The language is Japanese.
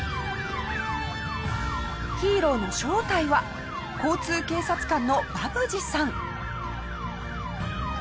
ヒーローの正体は交通警察官のバブジさん。